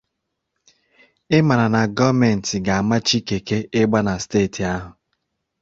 ị mara na gọọmentị ga-amachi keke ịgba na steeti ahụ